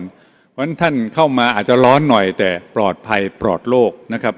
เพราะฉะนั้นท่านเข้ามาอาจจะร้อนหน่อยแต่ปลอดภัยปลอดโลกนะครับ